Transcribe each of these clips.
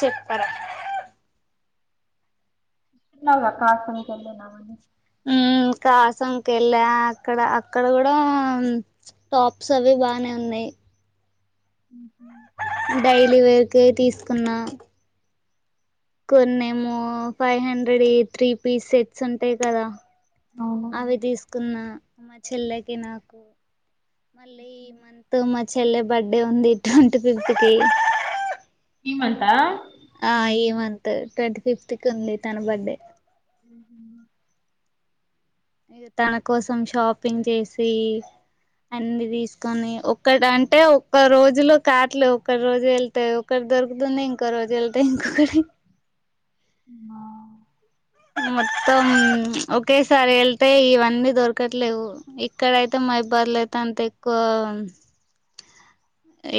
చెప్పరా న్నావ్ గా కాఫీ ఎల్లున్నాం అని ఉమ్ ఇంకా హసాం కెళ్ళ అక్కడ అక్కడ కూడా టాప్స్ అవి బానే ఉన్నాయి ఇ ఉమ్ హు డైలీ వేర్కె తీసుకున్నా కొన్నేమో ఫైవ్ హండ్రెడ్ వి త్రీ పీస్ సెట్స్ ఉంటాయి కదా అవును అవి తీసుకున్న మా చెల్లెకి నాకు మళ్ళీ ఈ మంత్ మా చెల్లె బర్త్డే ఉంది ట్వంట్ ఫిఫ్త్ కి ఈ మంతా ఆ ఈ మంత్ ట్వంట్ ఫిఫ్త్ కి ఉంది తన బర్త్డే ఉమ్ హు ఇగ తన కోసం షాపింగ్ చేసి అన్ని తీసుకొని ఒక్కటి అంటే ఒక్క రోజులో కాట్లు ఒక్క రోజే వెళ్తే ఒక దొరుకుతున్నాయి ఇంకో రోజు వెళ్తే ఇంకోకటి ఆ మొత్తం ఒకేసారి వెళ్తే ఇవన్నీ దొరకట్లేవు ఇక్కడయితే మైబర్లో అయితే అంత ఎక్కువ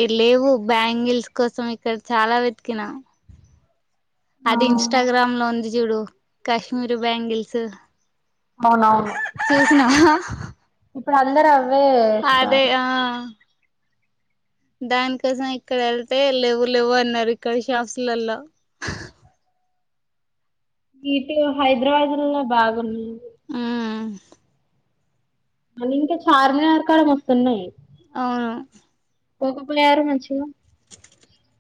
ఇడ లేవు బ్యాంగిల్స్ కోసం ఇక్కడ చాలా వెతికినా ఆ అది ఇన్స్టాగ్రామ్ లో ఉంది చూడు కాశ్మీరి బ్యాంగిల్స్ అవునవును చూసినావా ఇప్పుడు అందరు అవే అదే ఎస్తారు దాని కోసం ఇక్కడ వెళ్తే లేవు లేవు అన్నారు ఇక్కడ షాప్స్లలో ఇటు హైదరాబాద్ ల్లో బాగున్ ఆ ఆ మరి ఇంకా చార్మినార్ కాడ మస్తున్నాయి అవును పోకపోయారా మంచిగా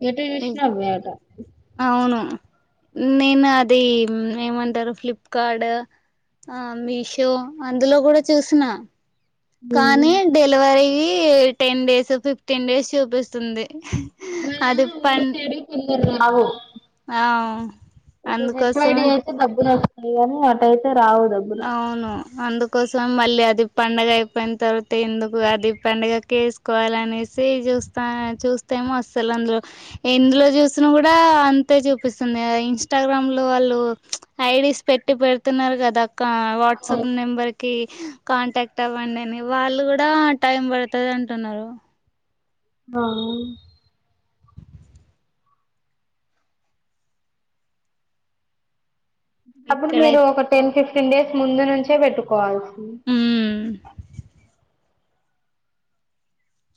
ఎటు చూసినా అవ్వే అట అవును నేను అది ఏమంటారు ఫ్లిప్కార్డ్ ఆ మీషో అందులో కూడా చూసిన కానీ delivery ten days fifteen days చూపిస్తుంది మన అది ఊరి పం సైడ్ కొందరు ఇప్పుడు హెచ్ వైడి అందుకోసమే అయితే డబ్బులో స్తాయి గాని అటయితే రావు డబ్బులు అవును అందుకోసం మళ్ళీ అది పండగ అయిపోయిన తర్వాత ఎందుకు అది పండగకి వేసుకోవాలి అనేసి చూస్తా చూస్తే ఎమో అసలు అందులో ఎందులో చూసిన కూడా అంతే చూపిస్తుంది ఇన్స్టాగ్రామ్ లో వాళ్ళు ఐడీ స్ పెట్టి పెడుతున్నారు కదా అక్క అవును వాట్సాప్ నెంబర్ కి కాంటాక్ట్ అవ్వండి అని వాళ్ళు కూడా టైం పడుతది అంటున్నారు ఆ అప్పుడు మీరు ఇక్కడైతే ఒక టెన్ ఫిఫ్టీన్ డేస్ ముందు నుంచే పెట్టుకోవాలి ఉ ఉమ్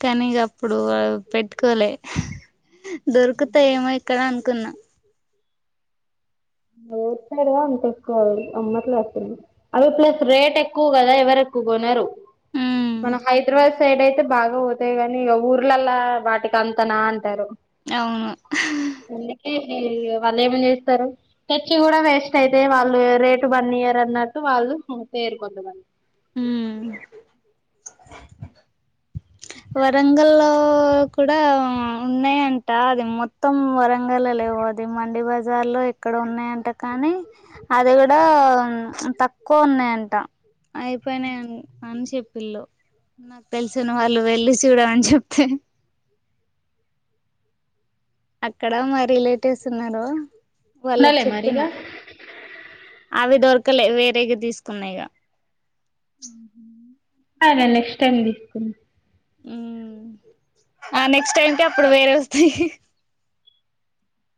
తను ఇగ అప్పుడు పెట్టుకోలే దొరుకుతా ఏమో ఇక్కడ అను కున్న ఇంగో ఎప్పుడే అంత ఎక్కువ అమ్మట్ల వస్తుంది అవి ప్లస్ రేట్ ఎక్కువ కదా ఎవరు ఎక్కువ కోనరు ఉ మనం హైదరాబాద్ సైడ్ అయితే బాగా పోతాయి గాని ఇగ ఊర్లలా వాటికి అంతనా అంటారు అవును హా ఈ ఇగ వాళ్ళు ఏం చేస్తరు తెచ్చి కూడా వేస్ట్ అయితే వాళ్ళు రేటు బన్ ఇయర్ అన్నట్టు వాళ్ళు తేరు కొంతమంది ఊ వరంగల్లో కూడా ఉన్నాయంట అది మొత్తం వరంగల్ లె ఇ వోది మండి బజార్ లో ఇక్కడ ఉన్నాయంట కానీ అది కూడా ప్చ్ తక్ తక్కువ ఉన్నాయంట అయిపోయినయి అని చెప్పిళు నాకు తెలిసిన వాళ్ళు వెళ్ళి చూడమని చెప్తే అక్కడ మా రిలేటివ్స్ ఉన్నారు వాళ్ళకి ఉండాలే చెప్పిన మరిగా అవి దొరకలే వేరేగా తీసుకున్నయిగా అదే నెక్స్ట్ టైం తీసుకున్నా ఊ ఆ నెక్స్ట్ టైంకి అప్పుడు వేరే వస్తాయి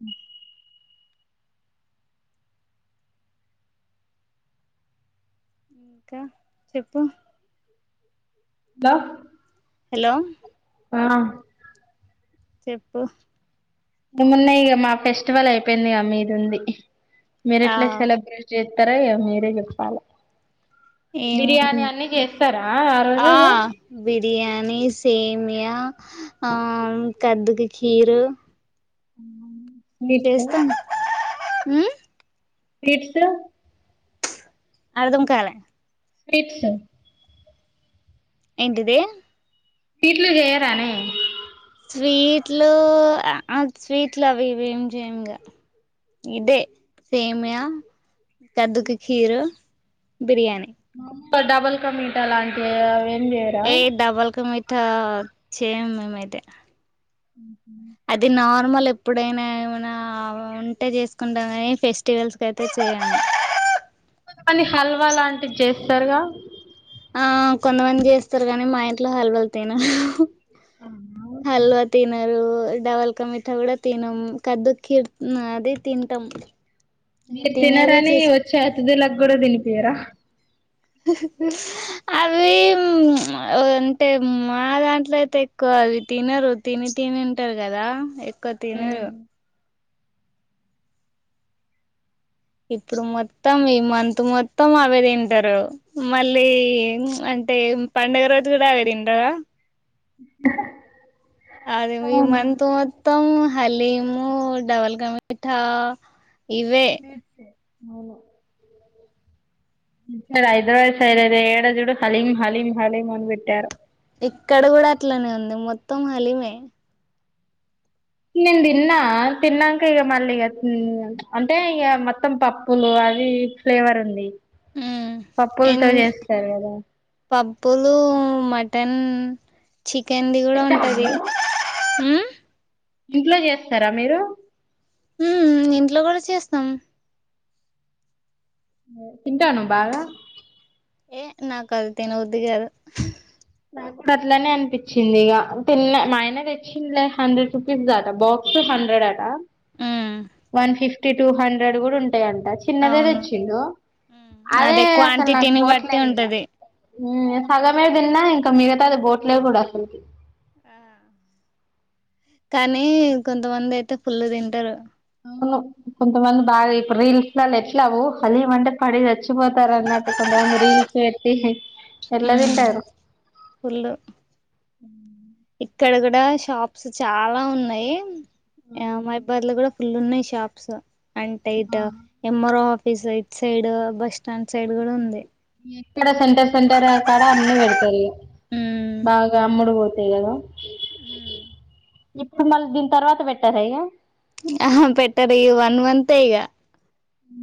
ఉ ఇంకా చెప్పు హల హలో ఆ చెప్పు ఏమున్నయ్ ఇక మా ఫెస్టివల్ అయిపోయింది ఇ మీది ఉంది మీరు ఆ ఎట్లా సెలబ్రేట్ చే తరో ఇగ మీరే చెప్పలె బిర్యానీ ఏముంది అన్ని చేస్తారా ఆ రోజుల లో ఆ బిర్యానీ సేమ్యా ఆ కదుది కీరు ఉ అవును చేస్తం ఊ ఎట్లా అర్దం కాలె స్వీట్స్ సొ ఏంటిదే వీట్లు చేయరానే స్వీట్లు అ ఆ స్వీట్లు అవి ఇవి ఏం చేయమిగ ఇదే సేమ్య, కదుకు కీరు, బిర్యానీ. గ డబల్ క మీటా లాంటివ ఏవో ఏ డబల్క మీఠా చేయమ్ మేమైతే ఊహు అది నార్మల్ ఎప్పుడైనా ఏమనా ఉంటే చేసుకుంటం గాని ఫెస్టివల్స్ కయితే చేయం కానీ హల్వా లాంటివి చేస్తారుగా ఆ కొంతమంది చేస్తారు కానీ మా ఇంట్లో హల్వాలు తినర్ హల్వా తినరు అది డవల్కా మిఠా కూడా తినం కదు కీర్ ఉ అది తింటం మీరు తినరని వచ్చే అతిథులకు కూడా తినిపియరా అవి అంటే మా దాంట్ల అయితే ఎక్కువ అవి తినరు తిని తినుంటరు కదా ఎక్కువ తినరు ఇప్పుడు మొత్తం ఈ మంత్ మొత్తం అవే తింటరు మళ్ళీ అంటే ఏం పండగ రోజు కూడా అవే తింటరా అదే ఈ అవును మంత్ మొ త్తం హలీము డబల్కా మిఠా ఇవే స్వీట్సే అవును హైదరాబాద్ సైడ్ అయితే ఏడజుడు హలీం హలీం హలీం అని పెట్టారు ఇక్కడ కూడా అట్లనే ఉంది మొత్తం హాలిమే నేను తిన్నా తిన్నాక ఇక మళ్ళీ ఇ అంటే ఇక మొత్తం పప్పులు అది ఫ్లేవర్ ఉంది మ్మ్ ఇన్ పప్పులతో చేస్తారు కదా పప్పులు మటన్ చికెన్ది కూడా ఉంటది హ్మ్మ్ ఇంట్లో చేస్తారా మీరు హమ్ ఇంట్లో కూడా చేస్తాం తింటవ నువ్వు బాగా హే నాకు అది తినబుద్ది కాదు అట్లనే అనిపించింది ఇక తిన్న మా ఆయన తెచ్చిండు హండ్రెడ్ రూపీస్ ఆట బాక్సెకు హండ్రెడ్ ఆట మ్మ్ వన్ ఫిఫ్టీ టూ హండ్రెడ్ కూడా ఉంట ఉంటాయి ఆట చిన్నదే అవును తెచ్చిండు అదే అసలు నాకు క్వాంటిటీని బట్టి పొవట్లేదు ఇంక ఉంటది హమ్ సగమే తిన్నా ఇంక మిగతాది పోవట్లే కూడా అసలు కానీ కొంతమంది అయితే ఫుల్ తింటారు అవును కొంతమంది బాగా ఇప్పుడు రీల్స్ల ఎట్లావు హలీమంటే పడి చచ్చిపోతారు అన్నట్టు దాని రీల్స్ పెట్టి హైప్ ఎట్లా మ్మ్ తింటారో ఫుల్ ఇక్కడ కూడా షాప్స్ చాలా ఉన్నాయి మయిబాద్ లో కూడా ఫుల్ ఉన్నాయి షాప్స్ అంటే ఇట్ నంబర్ అఫ్ ఈ site side bus stand side కూడా ఉంది ఎక్కడ సెంటర్ సెంటర్ అక్కడ అన్ని పెడతారు ఇ బాగా అమ్ముడు పోతు ఎవరు హ్మ్మ్ ఇప్పుడు మళ్ళీ దీని తర్వాత పెట్టార ఇగ ఆహా పెట్టర్ ఈ వన్ మంతే ఇగా హ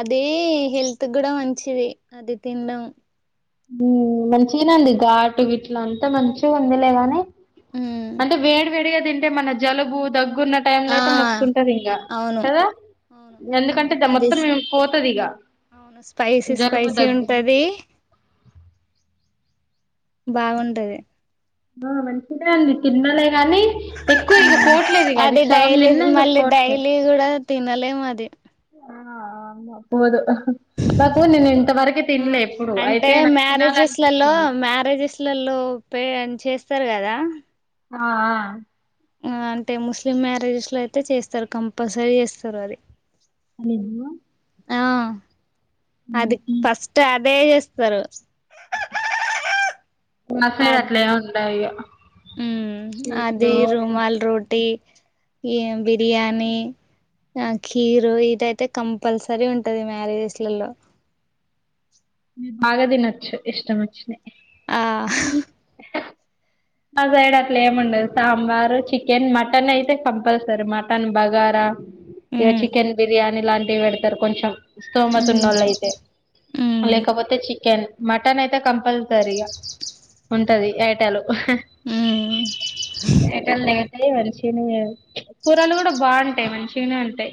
అదీ హెల్త్ కూడా మంచిది అది తినడం మంచిగానే ఉంది ఘాటు గిట్ల అంత మంచి ఉందిలేగాని ఉమ్ అంటే వేడి వేడిగా తింటే మన జలుబు దగ్గు గున్న టైమ్ లో ఆ అయితే మస్తుంటది ఇంకా అవును కదా అవును ఎందుకంటే అది మొత్తం పోతది ఇక అవును స్పైసీ స్పైసీ ఉంటది బాగుంటది ఆ మంచిగనే అనిపించింది తిన్న అది సగం డైలీ తిన్నా ఇక మళ్ళీ పోట్లేదు డైలీ కూడా తినలేము అది ఆ అమ్మ పోదాం నాకు నేను ఇంతవరకు ఉమ్ తినలే ఎప్పుడు అంటే అయితే నాకు తినాలనిపించింది ఇళ్లలో పే అని చేస్తారు కదా ఆహా ఆ అంటే ముస్లిం మ్యారేజెస్ లో అయితే చేస్తారు కంపల్సరీ చేస్తారు అది నిజమా ఆ అది ఫస్ట్ అదే చేస్తారు మా సైడ్ అట్లా ఆమ్ ఉండదు ఇగ హమ్ అదే స్వీట్లు రుమాల్ రోటీ ఏం బిర్యానీ ఆ కీరు ఇదైతే కంపల్సరీ ఉంటది మ్యారేజెస్లలో బాగదినచ్చు ఇష్ట మొచ్చినట్టు ఆ అ సైడ్ అట్లా ఏమిండదు సాంబార్ చికెన్ మటన్ అయితే కంపల్సరీ మటన్ బగారా ఇకో ఉమ్ చికెన్ బిర్యానీ లాంటివి పెడతారు కొంచెం స్థోమత ఉమ్ ఉన్న వాళ్ళ అయితే ఉమ్ లేకపోతే చి చికెన్ మటన్ అయితే కంపల్సరీ ఇగ ఉంటంది ఐటలు ఉమ్ ఎ అ మనిషిన కూరలు కూడా బాగుంటాయి మంచిగానే ఉంటాయి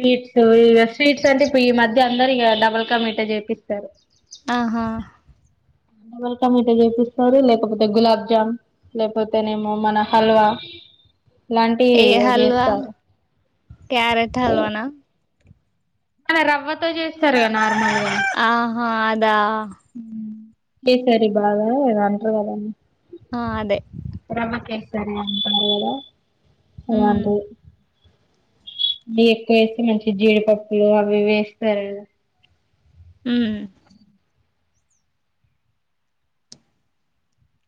ఉ స్వీట్స్ ఇక స్వీట్స్ అంటే ఇప్పుడు ఈ మధ్య అందరు ఇక డబల్కా మీట చేపిస్తారు ఆహా అవల్క మీ చేపిస్తారు లేకపోతే గులాబ్ జామ్న్ లేకపోతేనేమో మన హల్వా ఇలాంటి ఏ హల్వా చేస్తారు క్యారెట్ హల్వానా అలా రవ్వతో చేస్తారు కదా నార్మల్ గా ఆహా అదా ఏ సర బాగాా అంటారుద ఆ అదే సరంటద ఉమ్ అంట బ ఎక్కువ వేసి మంచి జీడిపప్పు అభ వేస్త ఉమ్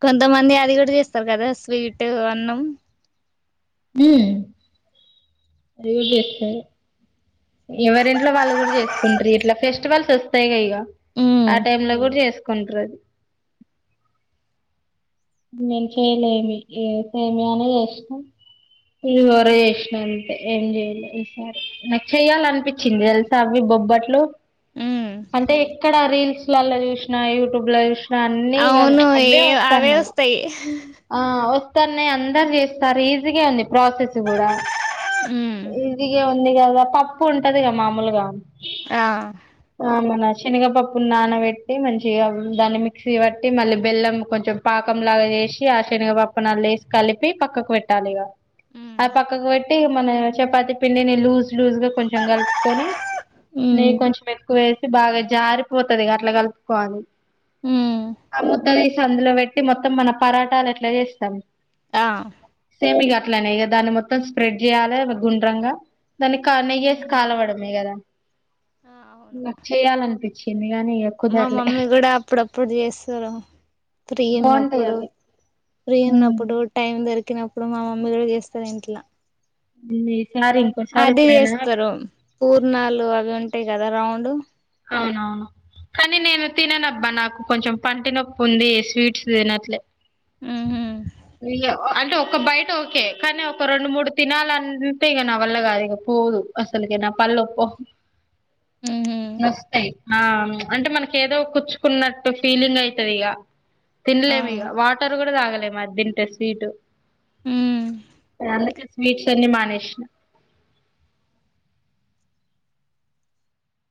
కొంతమంది అది కూడా చేస్తారు కదా స్వీట్ అన్నం అదిస్త ఎవరి ఇంట్లో వాళ్ళు కూడా చేసుకుంటారు ఇట్లా ఫెస్టివల్స్ వస్తాయి ఇక ఉమ్ ఆ టైమ్ లో కూడా చేసుకుంటారుది నేను చేయలేమి ఏతేమి అని చేస్తాం ఇది వర ఇష్ అంత ఏంజయలి ఈసారి నా చెయాలనిపించింది తెలుసా అవి బొబ్బట్లు ఉమ్ అంటే ఎక్కడ రీల్స్ చూసిన యూట్యూబ్ లో చూసిన అన్నీ అవును ఏ అవే అవే వస్తాన్నాయి వస్తాయి ఆ వ అందరు చేస్తారు ఈజీగా ఉంది ప్రాసెస్ కూడా ఉమ్ ఈజీగా ఉ ఉంది కదా పప్పు ఉంటది కద మామూలుగా ఆ శనగపప్పు నానబెట్టి మంచిగా దాన్ని మిక్సీ బట్టి మళ్ళీ బెల్లం కొంచెం పాకంలాగా వసి ఆశనిగా పపనల్ళ వసి కలిపి పక్కకు పెట్టాలి ఇ ఆ పక్కకు పెట్టి మన చపాతి పిండిని లూజ లూజ్ గా కొంచెం కలుపుకొని ఉమ్ నెయ్యి కొంచెం ఎక్కువ వే బాగా జారిపోతుంది అట్లా కలుపుకోవాలి హ్మ్ ఆ ముద్ద అందులో పెట్టి మొత్తం మన పరాటాలు ఎట్లా చేస్తాం ఆ సేమ్ ఇక అట్లనే ఇ దాన్ని మొత్తం స్ప్రెడ్ చేయాలి గుండ్రంగా దానికి నెయ్యేసి ఉమ్ కలవడమే కదా ఆ అవును నాకు చేయాలనిపించింది గానీ ఇగ మా కుదరలే మమ్మీ కూడా అప్పుడప్పుడు చేస్తారు ఫ్రీ బాగుంటాయి ఉన్నప్పుడు అవి ఫ్రీ ఉమ్, ఉన్నప్పుడు టైం దొరికినప్పుడు మా మమ్మీ కూడా చేస్తారు ఇంట్లో ఈసారి ఇంకోసారి అది ఎప్పుడైనా చేస్తారు పూర్ణాలు అవి ఉంటాయి కదా రౌండ్ అవునవును కానీ నేను తిననబ్బా. నాకు కొంచెం పంటి నొప్పు ఉంది స్వీట్స్ తినట్లే. మ్మ్ హ్మ్ అయ్యో అంటే ఒక బయిట్ ఓకే కానీ ఒక రెండు మూడు తినాలి అంటే ఇగా నా వల్ల కాదు. ఇగ పోదు అసల్ అందుగే నా పల్లోపావ్ అ నొస్తాయి. అవును అంటే మనక ఏదో కూర్చుకున్నట్టు ఫీలింగ్ అయితదిగా. తినలేము ఇగా అవును వాటర్ గూడా తాగలేము, అది తింటే స్వీటు. మ్మ్ మీర్ అందుకే స్వీట్ స్వీట్స్ అన్ని మానేస్నా